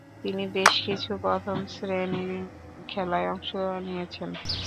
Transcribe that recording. তিনি বেশ কিছু প্রথম-শ্রেণীর খেলায় অংশ নিয়েছেন।